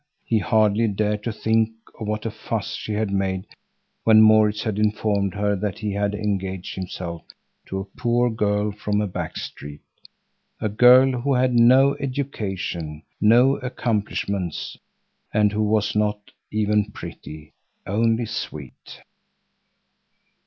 He hardly dared to think of what a fuss she had made when Maurits had informed her that he had engaged himself to a poor girl from a back street—a girl who had no education, no accomplishments, and who was not even pretty; only sweet.